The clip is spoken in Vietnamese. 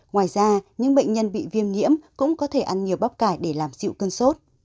ngoài ra những bệnh nhân bị viêm nhiễm cũng có thể ăn nhiều bóc cải để làm dịu cơn sốt